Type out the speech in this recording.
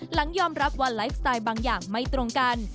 หลังยอมรับว่าไลฟ์สไตล์บางอย่างไม่ตรงกัน